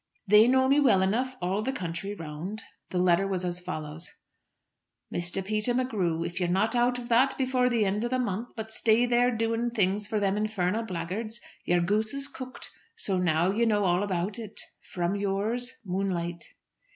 "They know me well enough all the country round." The letter was as follows: MR. PETER MCGREW, If you're not out of that before the end of the month, but stay there doing things for them infernal blackguards, your goose is cooked. So now you know all about it. From yours, MOONLIGHT.